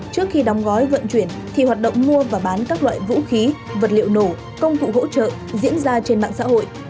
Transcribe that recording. trước khi đóng gói vận chuyển thì hoạt động mua và bán các loại vũ khí vật liệu nổ công cụ hỗ trợ diễn ra trên mạng xã hội